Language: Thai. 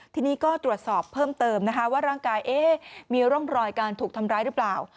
ทีนี้ก็ตรวจสอบเพิ่มเติมนะคะว่าร่างกายมีร่องรอยการถูกทำร้ายหรือเปล่า